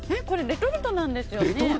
これ、レトルトなんですよね？